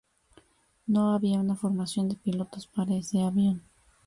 No había una formación de pilotos para ese avión.